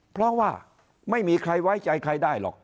เพราะว่าไม่มีใครไว้ใจใครได้หรอก